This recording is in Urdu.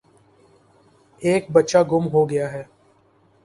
ایک بچہ گُم ہو گیا ہے۔